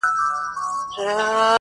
ځوانيمرگي اوړه څنگه اخښل كېږي-